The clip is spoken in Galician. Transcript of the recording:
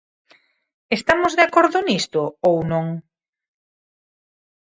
¿Estamos de acordo nisto ou non?